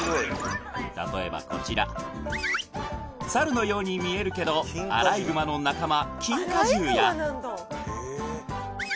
例えばこちらサルのように見えるけどアライグマの仲間